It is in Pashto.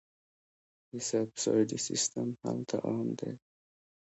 د سبسایډي سیستم هلته عام دی.